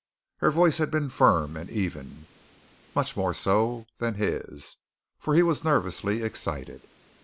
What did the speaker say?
Her voice had been firm and even, much more so than his, for he was nervously excited.